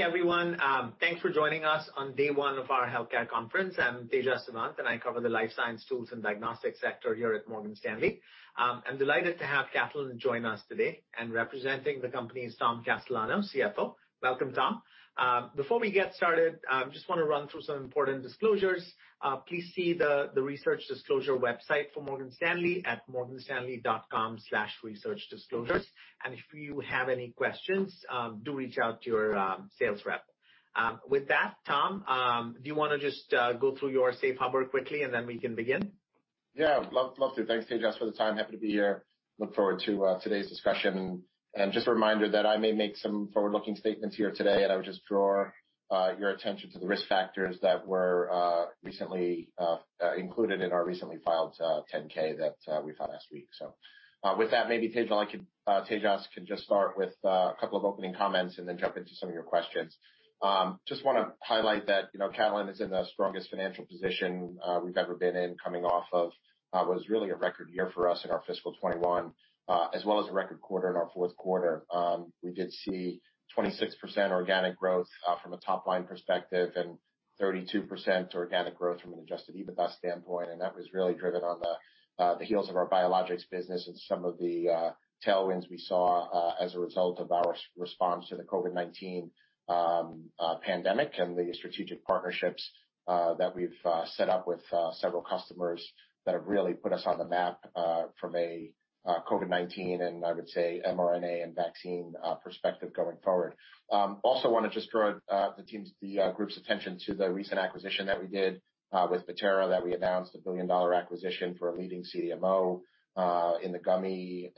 Hey, everyone. Thanks for joining us on day one of our Healthcare Conference. I'm Tejas Savant, and I cover the life science, tools, and diagnostics sector here at Morgan Stanley. I'm delighted to have Catalent join us today, and representing the company is Tom Castellano, CFO. Welcome, Tom. Before we get started, I just want to run through some important disclosures. Please see the research disclosure website for Morgan Stanley at morganstanley.com/researchdisclosures, and if you have any questions, do reach out to your sales rep. With that, Tom, do you want to just go through your safe harbor quickly, and then we can begin? Yeah, love to. Thanks, Tejas, for the time. Happy to be here. Look forward to today's discussion. Just a reminder that I may make some forward-looking statements here today, and I would just draw your attention to the risk factors that were recently included in our recently filed 10-K that we filed last week. With that, maybe, Tejas, I can just start with a couple of opening comments and then jump into some of your questions. Just want to highlight that Catalent is in the strongest financial position we've ever been in, coming off of what was really a record year for us in our FY2021, as well as a record quarter in our Q4. We did see 26% organic growth from a top-line perspective and 32% organic growth from an adjusted EBITDA standpoint. That was really driven on the heels of our biologics business and some of the tailwinds we saw as a result of our response to the COVID-19 pandemic and the strategic partnerships that we've set up with several customers that have really put us on the map from a COVID-19 and, I would say, mRNA and vaccine perspective going forward. Also want to just draw the group's attention to the recent acquisition that we did with Bettera, that we announced a $1 billion acquisition for a leading CDMO in the gummy,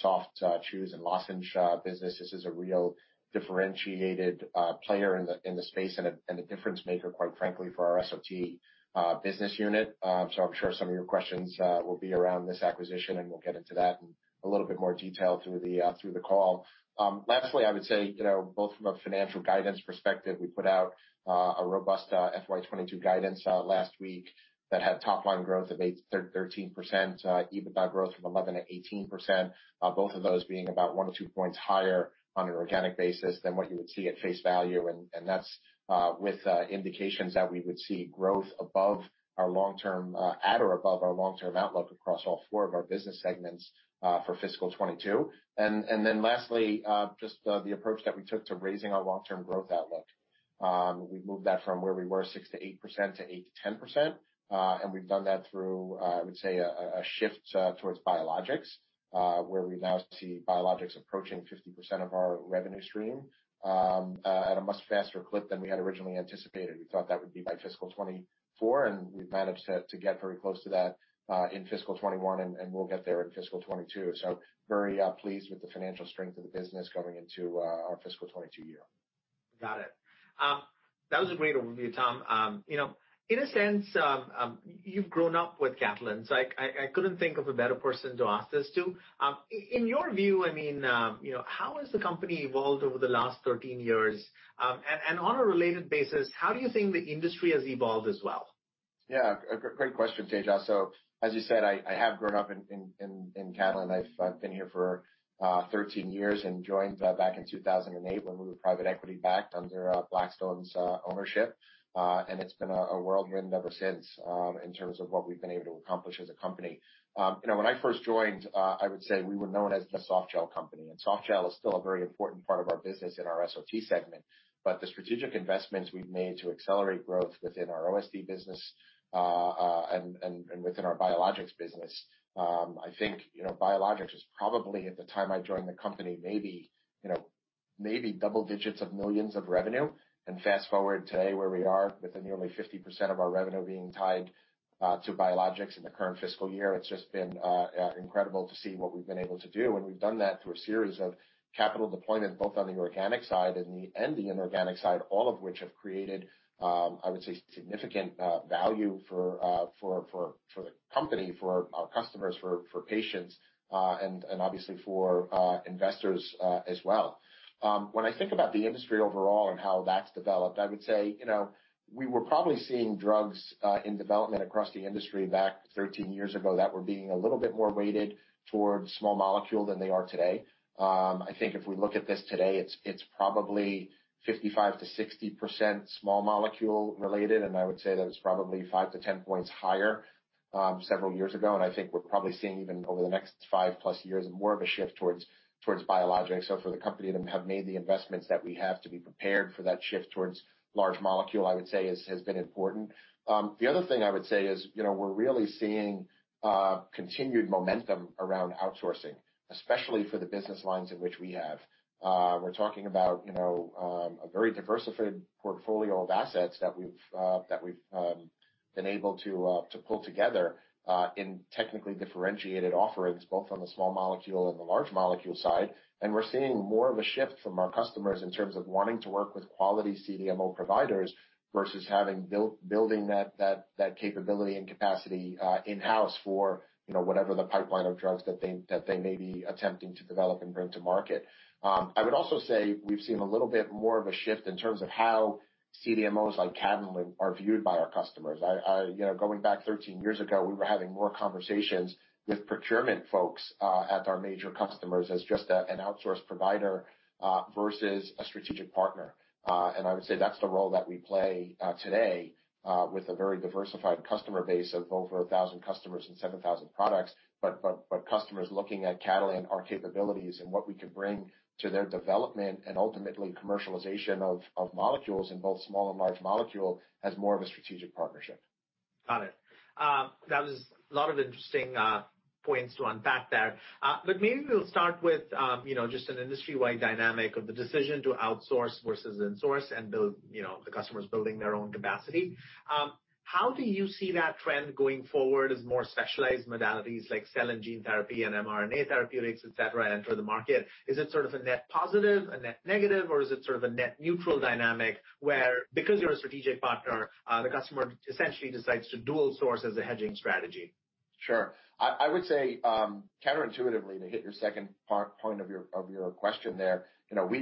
soft chews, and lozenge business. This is a real differentiated player in the space and a difference maker, quite frankly, for our softgel business unit. So I'm sure some of your questions will be around this acquisition, and we'll get into that in a little bit more detail through the call. Lastly, I would say, both from a financial guidance perspective, we put out a robust FY2022 guidance last week that had top-line growth of 13%, EBITDA growth from 11% to 18%, both of those being about one or two points higher on an organic basis than what you would see at face value. And that's with indications that we would see growth above our long-term at or above our long-term outlook across all four of our business segments for FY2022. And then lastly, just the approach that we took to raising our long-term growth outlook. We've moved that from where we were 6% to 8% to 8% to 10%. And we've done that through, I would say, a shift towards biologics, where we now see biologics approaching 50% of our revenue stream at a much faster clip than we had originally anticipated. We thought that would be by FY2024, and we've managed to get very close to that in FY2021, and we'll get there in FY2022. So very pleased with the financial strength of the business going into our FY2022. Got it. That was a great overview, Tom. In a sense, you've grown up with Catalent, so I couldn't think of a better person to ask this to. In your view, I mean, how has the company evolved over the last 13 years? And on a related basis, how do you think the industry has evolved as well? Yeah, great question, Tejas. So as you said, I have grown up in Catalent. I've been here for 13 years and joined back in 2008 when we were private equity-backed under Blackstone's ownership. And it's been a whirlwind ever since in terms of what we've been able to accomplish as a company. When I first joined, I would say we were known as the softgel company. And softgel is still a very important part of our business in our SOT segment. But the strategic investments we've made to accelerate growth within our OSD business and within our biologics business, I think biologics is probably, at the time I joined the company, maybe double digits of millions of revenue. Fast forward today where we are with nearly 50% of our revenue being tied to biologics in the current fiscal year, it's just been incredible to see what we've been able to do. We've done that through a series of capital deployments, both on the organic side and the inorganic side, all of which have created, I would say, significant value for the company, for our customers, for patients, and obviously for investors as well. When I think about the industry overall and how that's developed, I would say we were probably seeing drugs in development across the industry back 13 years ago that were being a little bit more weighted towards small molecule than they are today. I think if we look at this today, it's probably 55%-60% small molecule related, and I would say that it's probably 5%-10% higher several years ago. I think we're probably seeing even over the next five-plus years more of a shift towards biologics. So for the company to have made the investments that we have to be prepared for that shift towards large molecule, I would say, has been important. The other thing I would say is we're really seeing continued momentum around outsourcing, especially for the business lines in which we have. We're talking about a very diversified portfolio of assets that we've been able to pull together in technically differentiated offerings, both on the small molecule and the large molecule side. And we're seeing more of a shift from our customers in terms of wanting to work with quality CDMO providers versus having building that capability and capacity in-house for whatever the pipeline of drugs that they may be attempting to develop and bring to market. I would also say we've seen a little bit more of a shift in terms of how CDMOs like Catalent are viewed by our customers. Going back 13 years ago, we were having more conversations with procurement folks at our major customers as just an outsourced provider versus a strategic partner, and I would say that's the role that we play today with a very diversified customer base of over 1,000 customers and 7,000 products, but customers looking at Catalent, our capabilities and what we can bring to their development and ultimately commercialization of molecules in both small and large molecule has more of a strategic partnership. Got it. That was a lot of interesting points to unpack there. But maybe we'll start with just an industry-wide dynamic of the decision to outsource versus insource and the customers building their own capacity. How do you see that trend going forward as more specialized modalities like cell and gene therapy and mRNA therapeutics, etc., enter the market? Is it sort of a net positive, a net negative, or is it sort of a net neutral dynamic where, because you're a strategic partner, the customer essentially decides to dual source as a hedging strategy? Sure. I would say counterintuitively, to hit your second point of your question there,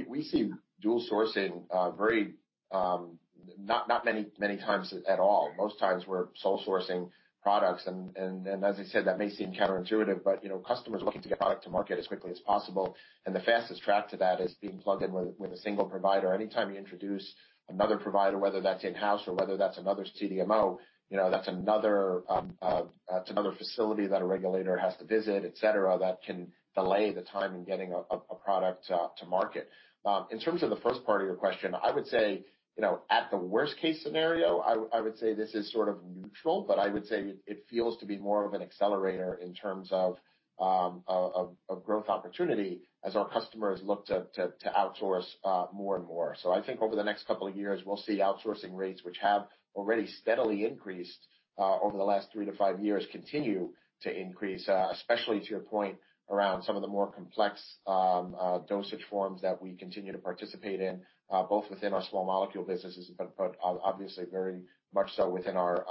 we see dual sourcing very not many times at all. Most times we're sole sourcing products. And as I said, that may seem counterintuitive, but customers looking to get product to market as quickly as possible. And the fastest track to that is being plugged in with a single provider. Anytime you introduce another provider, whether that's in-house or whether that's another CDMO, that's another facility that a regulator has to visit, etc., that can delay the time in getting a product to market. In terms of the first part of your question, I would say at the worst-case scenario, I would say this is sort of neutral, but I would say it feels to be more of an accelerator in terms of growth opportunity as our customers look to outsource more and more. So I think over the next couple of years, we'll see outsourcing rates, which have already steadily increased over the last three to five years, continue to increase, especially to your point around some of the more complex dosage forms that we continue to participate in, both within our small molecule businesses, but obviously very much so within our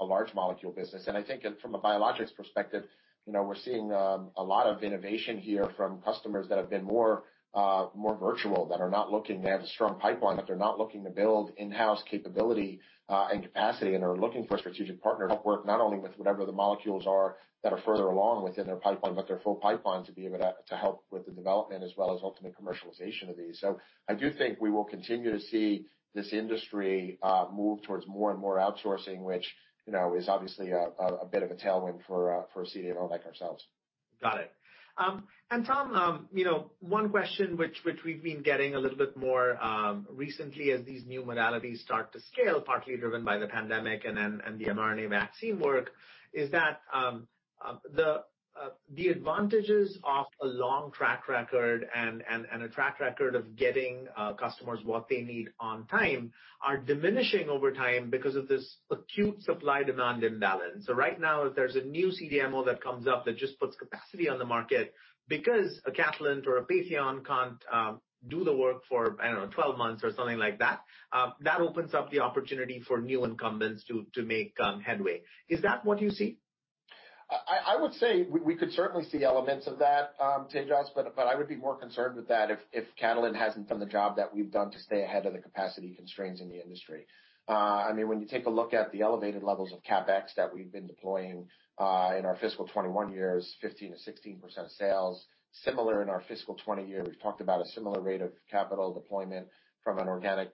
large molecule business. And I think from a biologics perspective, we're seeing a lot of innovation here from customers that have been more virtual, that are not looking to have a strong pipeline, that they're not looking to build in-house capability and capacity, and are looking for strategic partner work not only with whatever the molecules are that are further along within their pipeline, but their full pipeline to be able to help with the development as well as ultimate commercialization of these. So I do think we will continue to see this industry move towards more and more outsourcing, which is obviously a bit of a tailwind for a CDMO like ourselves. Got it. And Tom, one question which we've been getting a little bit more recently as these new modalities start to scale, partly driven by the pandemic and the mRNA vaccine work, is that the advantages of a long track record and a track record of getting customers what they need on time are diminishing over time because of this acute supply-demand imbalance. So right now, if there's a new CDMO that comes up that just puts capacity on the market because a Catalent or a Patheon can't do the work for, I don't know, 12 months or something like that, that opens up the opportunity for new incumbents to make headway. Is that what you see? I would say we could certainly see elements of that, Tejas, but I would be more concerned with that if Catalent hasn't done the job that we've done to stay ahead of the capacity constraints in the industry. I mean, when you take a look at the elevated levels of CapEx that we've been deploying in our FY2021 years, 15%-16% sales, similar in our FY2020. We've talked about a similar rate of capital deployment from an organic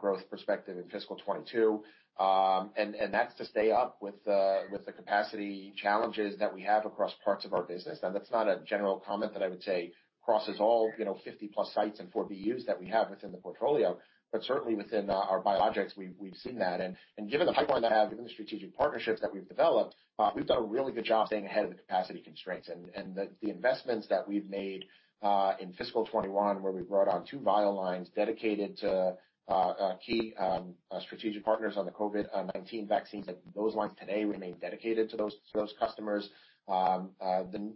growth perspective in FY2022. And that's to stay up with the capacity challenges that we have across parts of our business. And that's not a general comment that I would say crosses all 50-plus sites and four BUs that we have within the portfolio. But certainly within our biologics, we've seen that. And given the pipeline that I have, given the strategic partnerships that we've developed, we've done a really good job staying ahead of the capacity constraints. And the investments that we've made in FY2021, where we brought on two vial lines dedicated to key strategic partners on the COVID-19 vaccines, those lines today remain dedicated to those customers. The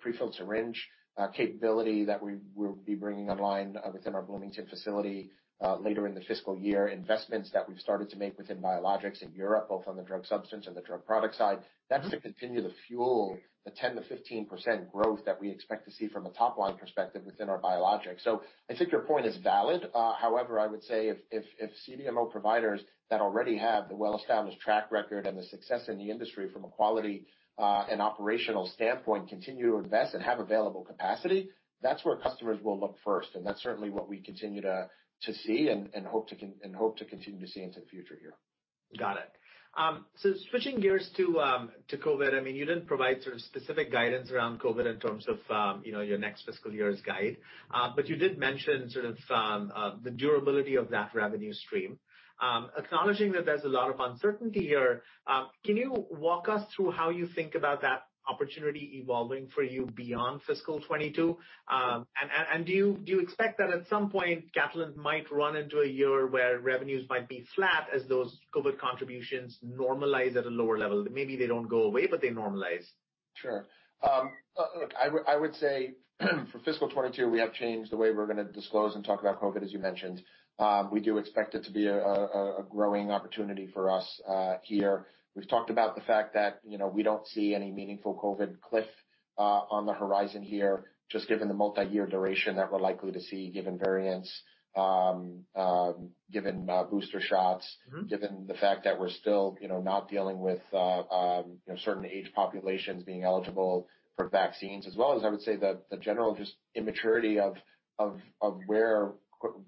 prefilled syringe capability that we will be bringing online within our Bloomington facility later in the fiscal year, investments that we've started to make within biologics in Europe, both on the drug substance and the drug product side, that's to continue the fuel, the 10%-15% growth that we expect to see from a top-line perspective within our biologics. So I think your point is valid. However, I would say if CDMO providers that already have the well-established track record and the success in the industry from a quality and operational standpoint continue to invest and have available capacity, that's where customers will look first, and that's certainly what we continue to see and hope to continue to see into the future here. Got it. So switching gears to COVID, I mean, you didn't provide sort of specific guidance around COVID in terms of your next fiscal year's guide, but you did mention sort of the durability of that revenue stream. Acknowledging that there's a lot of uncertainty here, can you walk us through how you think about that opportunity evolving for you beyond FY2022? And do you expect that at some point Catalent might run into a year where revenues might be flat as those COVID contributions normalize at a lower level? Maybe they don't go away, but they normalize. Sure. Look, I would say for FY2022, we have changed the way we're going to disclose and talk about COVID, as you mentioned. We do expect it to be a growing opportunity for us here. We've talked about the fact that we don't see any meaningful COVID cliff on the horizon here, just given the multi-year duration that we're likely to see given variants, given booster shots, given the fact that we're still not dealing with certain age populations being eligible for vaccines, as well as, I would say, the general just immaturity of where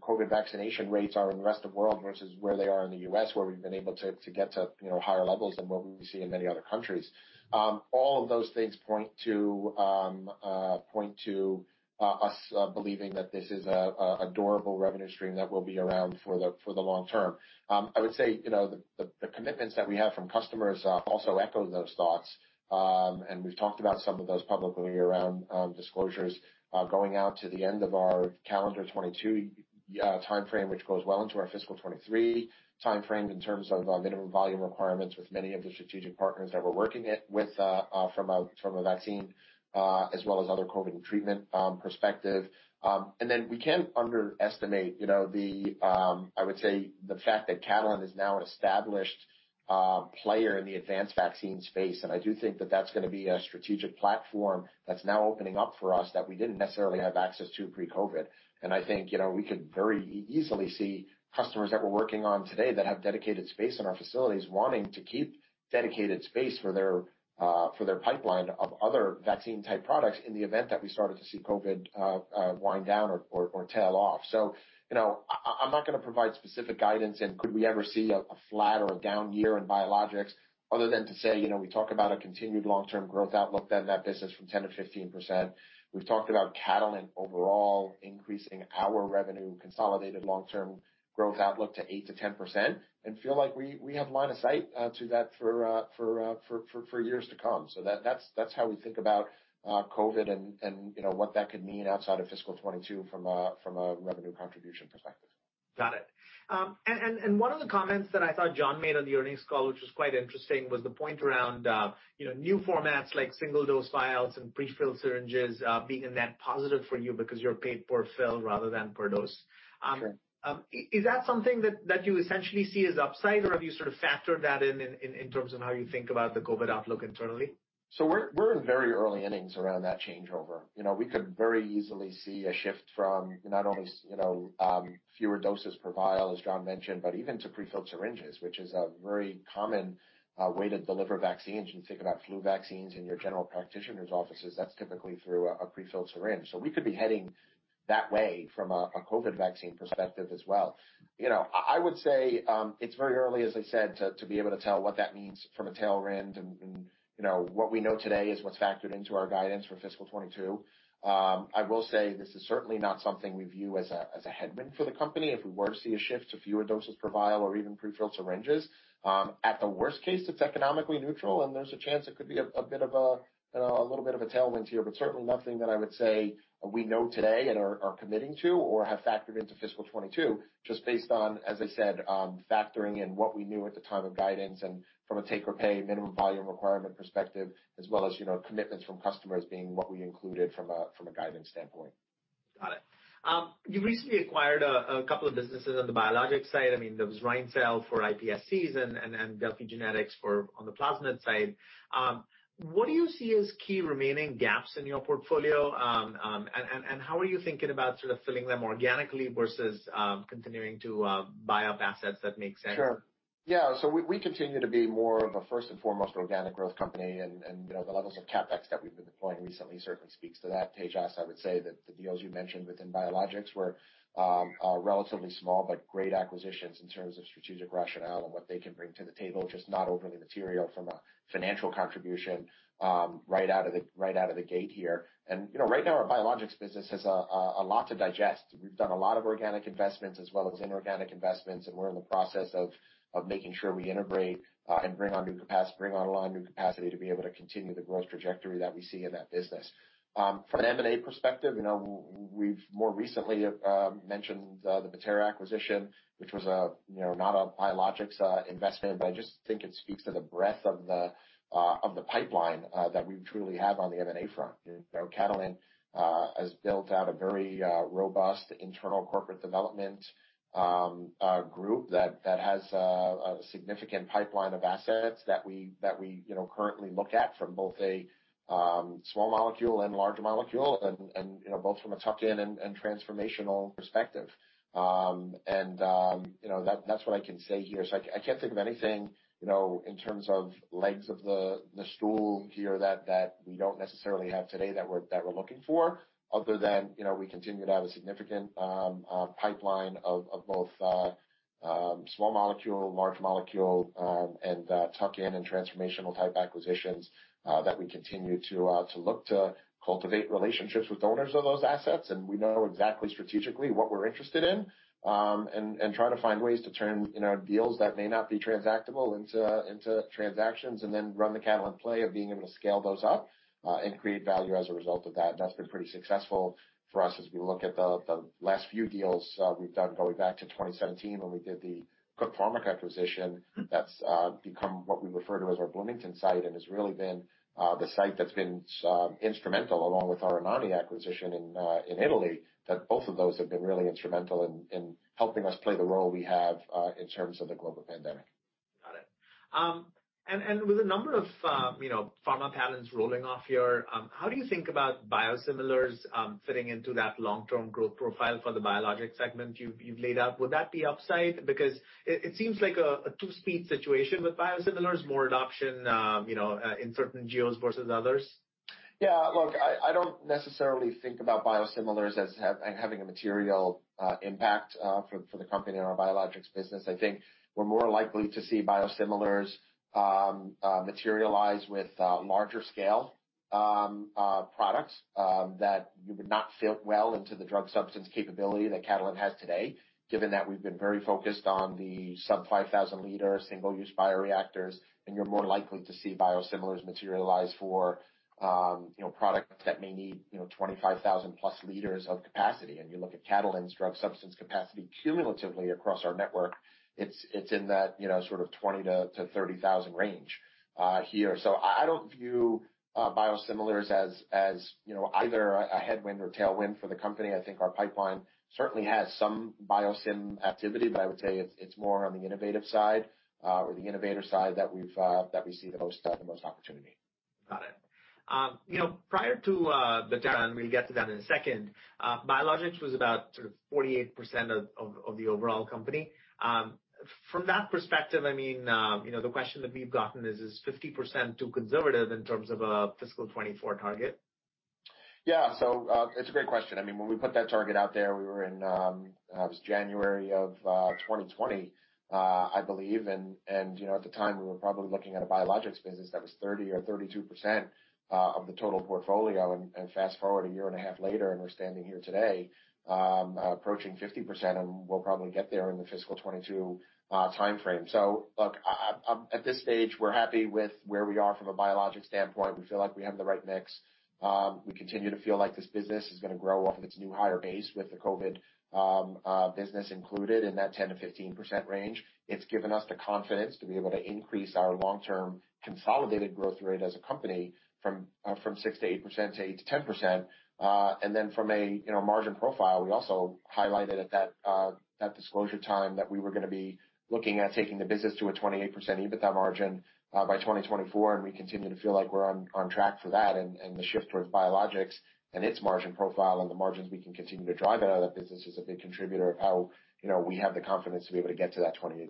COVID vaccination rates are in the rest of the world versus where they are in the U.S., where we've been able to get to higher levels than what we see in many other countries. All of those things point to us believing that this is a durable revenue stream that will be around for the long term. I would say the commitments that we have from customers also echo those thoughts. And we've talked about some of those publicly around disclosures going out to the end of our calendar 2022 timeframe, which goes well into our FY2023 timeframe in terms of minimum volume requirements with many of the strategic partners that we're working with from a vaccine as well as other COVID treatment perspective. And then we can't underestimate, I would say, the fact that Catalent is now an established player in the advanced vaccine space. And I do think that that's going to be a strategic platform that's now opening up for us that we didn't necessarily have access to pre-COVID. And I think we could very easily see customers that we're working on today that have dedicated space in our facilities wanting to keep dedicated space for their pipeline of other vaccine-type products in the event that we started to see COVID wind down or tail off. So I'm not going to provide specific guidance in could we ever see a flat or a down year in biologics other than to say we talk about a continued long-term growth outlook that business from 10%-15%. We've talked about Catalent overall increasing our revenue consolidated long-term growth outlook to 8%-10% and feel like we have line of sight to that for years to come. So that's how we think about COVID and what that could mean outside of FY2022 from a revenue contribution perspective. Got it, and one of the comments that I thought John made on the earnings call, which was quite interesting, was the point around new formats like single-dose vials and prefilled syringes being a net positive for you because you're paid per fill rather than per dose. Is that something that you essentially see as upside or have you sort of factored that in in terms of how you think about the COVID outlook internally? So we're in very early innings around that changeover. We could very easily see a shift from not only fewer doses per vial, as John mentioned, but even to prefilled syringes, which is a very common way to deliver vaccines. You think about flu vaccines in your general practitioner's offices, that's typically through a prefilled syringe. So we could be heading that way from a COVID vaccine perspective as well. I would say it's very early, as I said, to be able to tell what that means from a tailwind. And what we know today is what's factored into our guidance for FY2022. I will say this is certainly not something we view as a headwind for the company. If we were to see a shift to fewer doses per vial or even prefilled syringes, at the worst case, it's economically neutral and there's a chance it could be a bit of a tailwind here, but certainly nothing that I would say we know today and are committing to or have factored into FY2022 just based on, as I said, factoring in what we knew at the time of guidance and from a take-or-pay minimum volume requirement perspective, as well as commitments from customers being what we included from a guidance standpoint. Got it. You've recently acquired a couple of businesses on the biologics side. I mean, there was RheinCell for iPSCs and Delphi Genetics on the plasmid side. What do you see as key remaining gaps in your portfolio, and how are you thinking about sort of filling them organically versus continuing to buy up assets that make sense? Sure. Yeah, so we continue to be more of a first and foremost organic growth company, and the levels of CapEx that we've been deploying recently certainly speaks to that, Tejas. I would say that the deals you mentioned within biologics were relatively small, but great acquisitions in terms of strategic rationale and what they can bring to the table, just not overly material from a financial contribution right out of the gate here, and right now, our biologics business has a lot to digest. We've done a lot of organic investments as well as inorganic investments, and we're in the process of making sure we integrate and bring on new capacity to be able to continue the growth trajectory that we see in that business. From an M&A perspective, we've more recently mentioned the Bettera acquisition, which was not a biologics investment, but I just think it speaks to the breadth of the pipeline that we truly have on the M&A front. Catalent has built out a very robust internal corporate development group that has a significant pipeline of assets that we currently look at from both a small molecule and large molecule, and both from a tuck-in and transformational perspective. And that's what I can say here. So I can't think of anything in terms of legs of the stool here that we don't necessarily have today that we're looking for, other than we continue to have a significant pipeline of both small molecule, large molecule, and tuck-in and transformational type acquisitions that we continue to look to cultivate relationships with donors of those assets. And we know exactly strategically what we're interested in and try to find ways to turn deals that may not be transactable into transactions and then run the Catalent play of being able to scale those up and create value as a result of that. And that's been pretty successful for us as we look at the last few deals we've done going back to 2017 when we did the Cook Pharmica acquisition. That's become what we refer to as our Bloomington site and has really been the site that's been instrumental along with our Anagni acquisition in Italy. Both of those have been really instrumental in helping us play the role we have in terms of the global pandemic. Got it. And with a number of pharma patents rolling off here, how do you think about biosimilars fitting into that long-term growth profile for the biologics segment you've laid out? Would that be upside? Because it seems like a two-speed situation with biosimilars, more adoption in certain geos versus others. Yeah. Look, I don't necessarily think about biosimilars as having a material impact for the company in our biologics business. I think we're more likely to see biosimilars materialize with larger scale products that you would not fit well into the drug substance capability that Catalent has today, given that we've been very focused on the sub-5,000-liter single-use bioreactors. And you're more likely to see biosimilars materialize for products that may need 25,000-plus liters of capacity. And you look at Catalent's drug substance capacity cumulatively across our network, it's in that sort of 20,000-30,000 range here. So I don't view biosimilars as either a headwind or tailwind for the company. I think our pipeline certainly has some bio-sim activity, but I would say it's more on the innovative side or the innovator side that we see the most opportunity. Got it. Prior to Bettera, and we'll get to that in a second, biologics was about sort of 48% of the overall company. From that perspective, I mean, the question that we've gotten is, is 50% too conservative in terms of a FY2024 target? Yeah. So it's a great question. I mean, when we put that target out there, we were in, it was January of 2020, I believe. And at the time, we were probably looking at a biologics business that was 30% or 32% of the total portfolio. And fast forward a year and a half later, and we're standing here today approaching 50%. And we'll probably get there in the FY2022 timeframe. So look, at this stage, we're happy with where we are from a biologics standpoint. We feel like we have the right mix. We continue to feel like this business is going to grow off of its new higher base with the COVID business included in that 10%-15% range. It's given us the confidence to be able to increase our long-term consolidated growth rate as a company from 6%-8% to 8%-10%. And then from a margin profile, we also highlighted at that disclosure time that we were going to be looking at taking the business to a 28% EBITDA margin by 2024. And we continue to feel like we're on track for that. And the shift towards biologics and its margin profile and the margins we can continue to drive out of that business is a big contributor of how we have the confidence to be able to get to that 28%.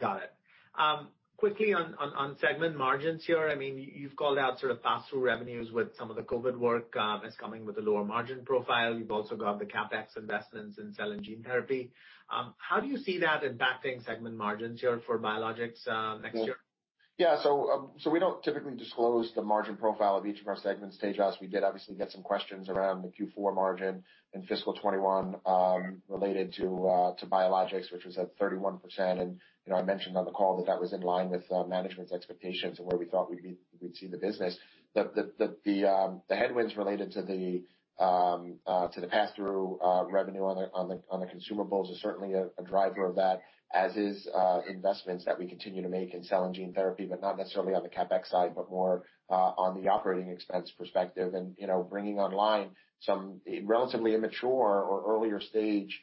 Got it. Quickly on segment margins here. I mean, you've called out sort of pass-through revenues with some of the COVID work as coming with a lower margin profile. You've also got the CapEx investments in cell and gene therapy. How do you see that impacting segment margins here for biologics next year? Yeah. So we don't typically disclose the margin profile of each of our segments, Tejas. We did obviously get some questions around the Q4 margin in FY2021 related to biologics, which was at 31%. And I mentioned on the call that that was in line with management's expectations and where we thought we'd see the business. The headwinds related to the pass-through revenue on the consumables is certainly a driver of that, as is investments that we continue to make in cell and gene therapy, but not necessarily on the CapEx side, but more on the operating expense perspective. And bringing online some relatively immature or earlier stage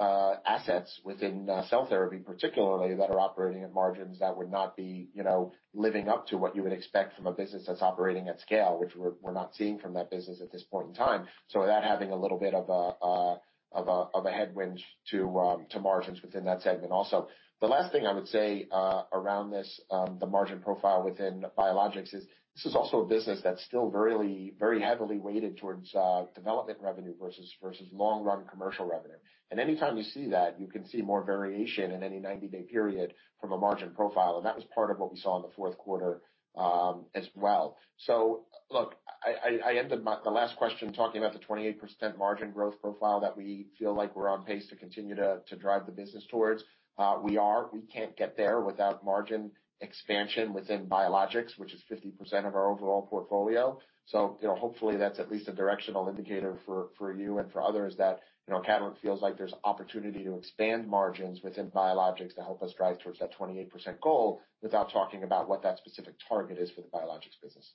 assets within cell therapy, particularly that are operating at margins that would not be living up to what you would expect from a business that's operating at scale, which we're not seeing from that business at this point in time. So that having a little bit of a headwind to margins within that segment also. The last thing I would say around this, the margin profile within biologics is this is also a business that's still very heavily weighted towards development revenue versus long-run commercial revenue. And anytime you see that, you can see more variation in any 90-day period from a margin profile. And that was part of what we saw in the Q4 as well. So look, I ended the last question talking about the 28% margin growth profile that we feel like we're on pace to continue to drive the business towards. We are. We can't get there without margin expansion within biologics, which is 50% of our overall portfolio. So hopefully that's at least a directional indicator for you and for others that Catalent feels like there's opportunity to expand margins within biologics to help us drive towards that 28% goal without talking about what that specific target is for the biologics business.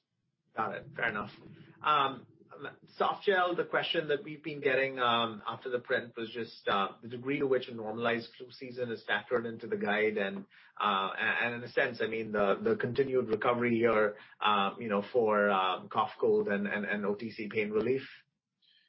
Got it. Fair enough. Softgel, the question that we've been getting after the print was just the degree to which a normalized flu season is factored into the guide and in a sense, I mean, the continued recovery here for cough, cold, and OTC pain relief?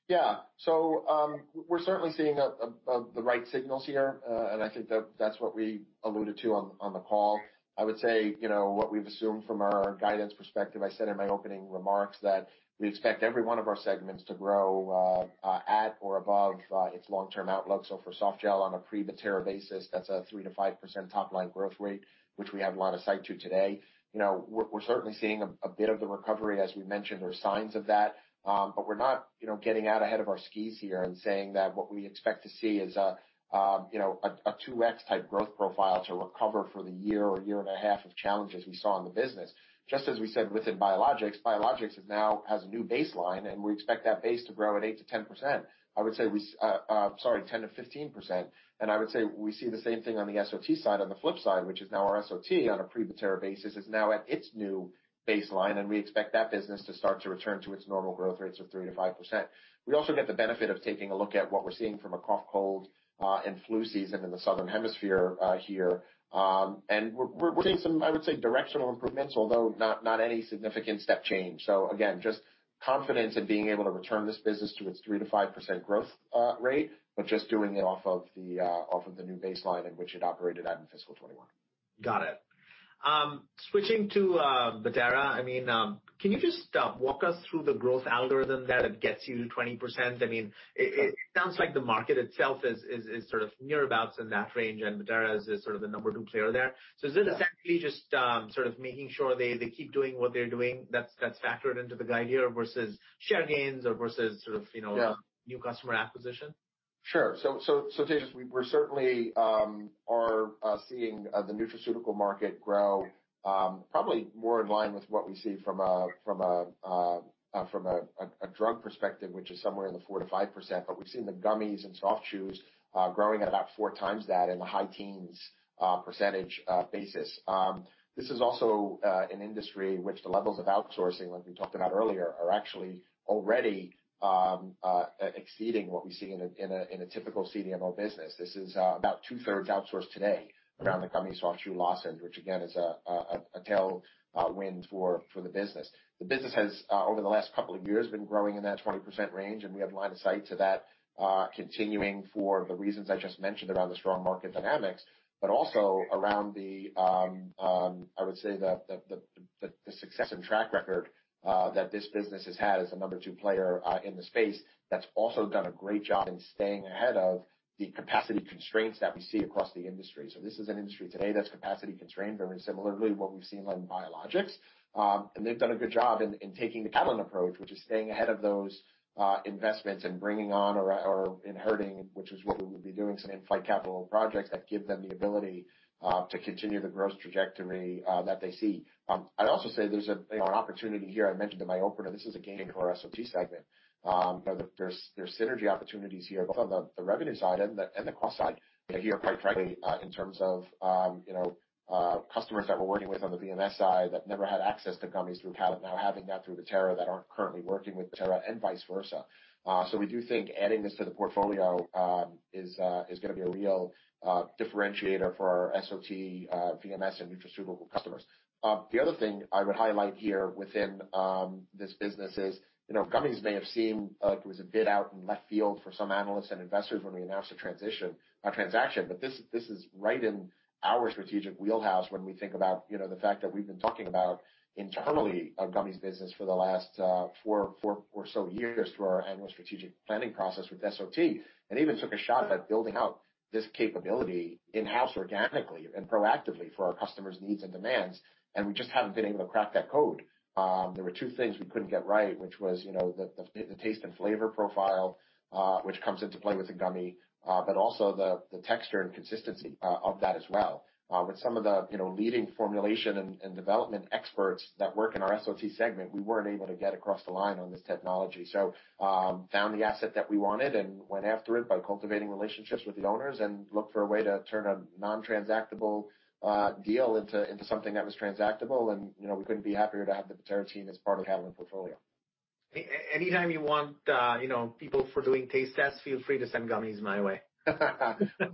Yeah. So we're certainly seeing the right signals here. And I think that's what we alluded to on the call. I would say what we've assumed from our guidance perspective, I said in my opening remarks that we expect every one of our segments to grow at or above its long-term outlook. So for Softgel on a pre-Bettera basis, that's a 3%-5% top-line growth rate, which we have a lot of sight to today. We're certainly seeing a bit of the recovery, as we mentioned, or signs of that. But we're not getting out ahead of our skis here and saying that what we expect to see is a 2X type growth profile to recover for the year-on-year and a half of challenges we saw in the business. Just as we said within biologics, biologics now has a new baseline, and we expect that base to grow at 8%-10%. I would say, sorry, 10%-15%. And I would say we see the same thing on the SOT side. On the flip side, which is now our SOT on a pre-Bettera basis, is now at its new baseline. And we expect that business to start to return to its normal growth rates of 3%-5%. We also get the benefit of taking a look at what we're seeing from a cough, cold, and flu season in the Southern Hemisphere here. And we're seeing some, I would say, directional improvements, although not any significant step change. So again, just confidence in being able to return this business to its 3%-5% growth rate, but just doing it off of the new baseline in which it operated out in FY2021. Got it. Switching to Bettera, I mean, can you just walk us through the growth algorithm that gets you to 20%? I mean, it sounds like the market itself is sort of near about in that range, and Bettera is sort of the number two player there. So is it essentially just sort of making sure they keep doing what they're doing that's factored into the guide here versus share gains or versus sort of new customer acquisition? Sure. So Tejas, we certainly are seeing the nutraceutical market grow probably more in line with what we see from a drug perspective, which is somewhere in the 4%-5%. But we've seen the gummies and soft chews growing at about four times that in the high teens% basis. This is also an industry which the levels of outsourcing, like we talked about earlier, are actually already exceeding what we see in a typical CDMO business. This is about two-thirds outsourced today around the gummies, soft chew, lozenges, which again is a tailwind for the business. The business has, over the last couple of years, been growing in that 20% range. We have a line of sight to that continuing for the reasons I just mentioned around the strong market dynamics, but also around the, I would say, the success and track record that this business has had as a number two player in the space that's also done a great job in staying ahead of the capacity constraints that we see across the industry. This is an industry today that's capacity constrained, very similarly to what we've seen in biologics. They've done a good job in taking the Catalent approach, which is staying ahead of those investments and bringing on or inheriting, which is what we would be doing, some in-flight capital projects that give them the ability to continue the growth trajectory that they see. I'd also say there's an opportunity here. I mentioned in my opener, this is a gain for our SOT segment. There's synergy opportunities here both on the revenue side and the cost side here quite frankly in terms of customers that we're working with on the VMS side that never had access to gummies through Catalent, now having that through Bettera that aren't currently working with Bettera and vice versa. So we do think adding this to the portfolio is going to be a real differentiator for our SOT, VMS, and nutraceutical customers. The other thing I would highlight here within this business is gummies may have seemed like it was a bit out in left field for some analysts and investors when we announced a transaction, but this is right in our strategic wheelhouse when we think about the fact that we've been talking about internally a gummies business for the last four or so years through our annual strategic planning process with SOT and even took a shot at building out this capability in-house organically and proactively for our customers' needs and demands, and we just haven't been able to crack that code. There were two things we couldn't get right, which was the taste and flavor profile, which comes into play with the gummy, but also the texture and consistency of that as well. With some of the leading formulation and development experts that work in our SOT segment, we weren't able to get across the line on this technology. So found the asset that we wanted and went after it by cultivating relationships with the owners and looked for a way to turn a non-transactable deal into something that was transactable, and we couldn't be happier to have the Bettera team as part of Catalent's portfolio. Anytime you want people for doing taste tests, feel free to send gummies my way.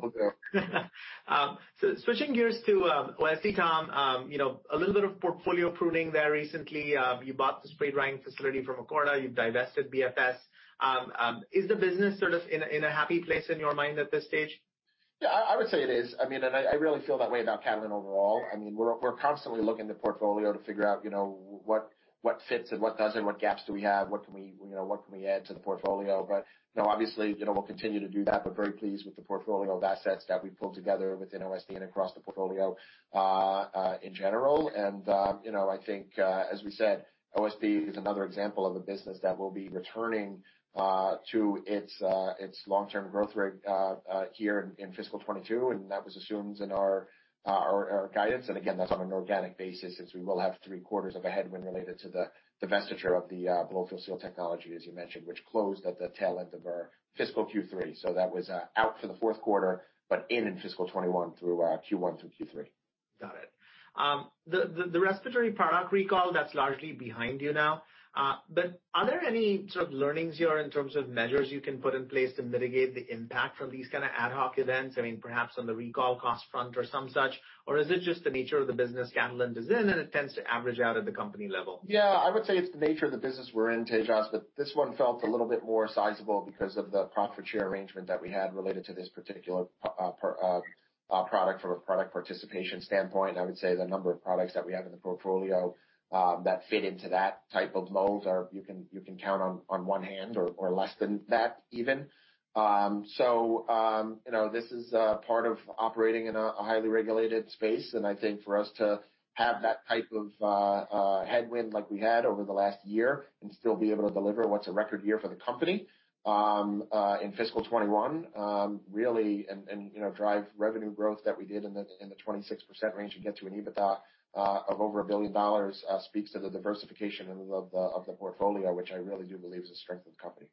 Will do. Switching gears to wellness, Tom, a little bit of portfolio pruning there recently. You bought the spray drying facility from Acorda. You've divested BFS. Is the business sort of in a happy place in your mind at this stage? Yeah. I would say it is. I mean, and I really feel that way about Catalent overall. I mean, we're constantly looking at the portfolio to figure out what fits and what doesn't, what gaps do we have, what can we add to the portfolio. But obviously, we'll continue to do that, but very pleased with the portfolio of assets that we've pulled together within OSD and across the portfolio in general. And I think, as we said, OSD is another example of a business that will be returning to its long-term growth rate here in FY2022. And that was assumed in our guidance. And again, that's on an organic basis as we will have three quarters of a headwind related to the divestiture of the blow-fill-seal technology, as you mentioned, which closed at the tail end of our fiscal Q3. That was out for the Q4, but in FY2021 through Q1 through Q3. Got it. The respiratory product recall, that's largely behind you now. But are there any sort of learnings here in terms of measures you can put in place to mitigate the impact from these kind of ad hoc events? I mean, perhaps on the recall cost front or some such, or is it just the nature of the business Catalent is in and it tends to average out at the company level? Yeah. I would say it's the nature of the business we're in, Tejas, but this one felt a little bit more sizable because of the profit share arrangement that we had related to this particular product from a product participation standpoint. I would say the number of products that we have in the portfolio that fit into that type of mold are, you can count on one hand or less than that even. So this is part of operating in a highly regulated space. I think for us to have that type of headwind like we had over the last year and still be able to deliver what's a record year for the company in FY2021 really and drive revenue growth that we did in the 26% range and get to an EBITDA of over $1 billion speaks to the diversification of the portfolio, which I really do believe is a strength of the company.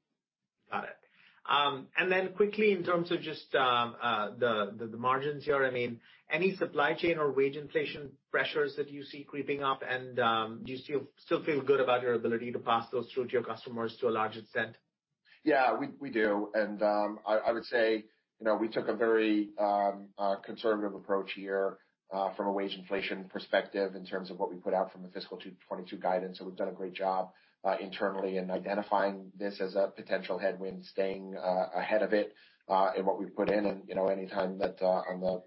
Got it. And then quickly in terms of just the margins here, I mean, any supply chain or wage inflation pressures that you see creeping up? And do you still feel good about your ability to pass those through to your customers to a large extent? Yeah, we do. And I would say we took a very conservative approach here from a wage inflation perspective in terms of what we put out from the FY2022 guidance. So we've done a great job internally in identifying this as a potential headwind, staying ahead of it in what we've put in. And anytime that on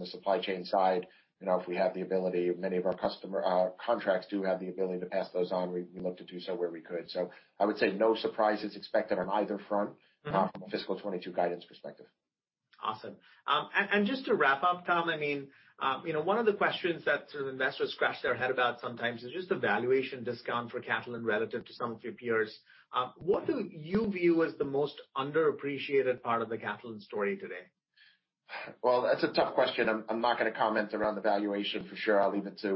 the supply chain side, if we have the ability, many of our customer contracts do have the ability to pass those on, we look to do so where we could. So I would say no surprises expected on either front from a FY2022 guidance perspective. Awesome. And just to wrap up, Tom, I mean, one of the questions that sort of investors scratch their head about sometimes is just the valuation discount for Catalent relative to some of your peers. What do you view as the most underappreciated part of the Catalent story today? Well, that's a tough question. I'm not going to comment around the valuation for sure. I'll leave it to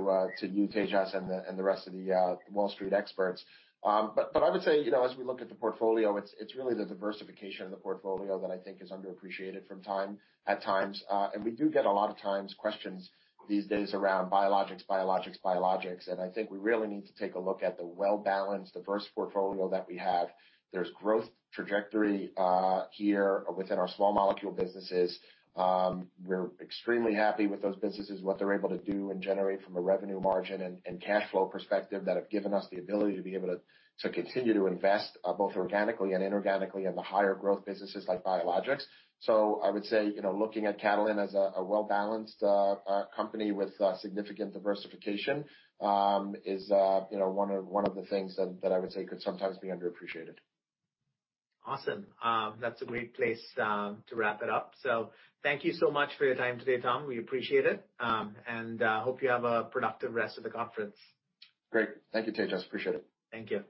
you, Tejas, and the rest of the Wall Street experts. But I would say as we look at the portfolio, it's really the diversification of the portfolio that I think is underappreciated from time to time. And we do get a lot of times questions these days around biologics, biologics, biologics. And I think we really need to take a look at the well-balanced, diverse portfolio that we have. There's growth trajectory here within our small molecule businesses. We're extremely happy with those businesses, what they're able to do and generate from a revenue margin and cash flow perspective that have given us the ability to be able to continue to invest both organically and inorganically in the higher growth businesses like biologics. So I would say looking at Catalent as a well-balanced company with significant diversification is one of the things that I would say could sometimes be underappreciated. Awesome. That's a great place to wrap it up. So thank you so much for your time today, Tom. We appreciate it. And hope you have a productive rest of the conference. Great. Thank you, Tejas. Appreciate it. Thank you.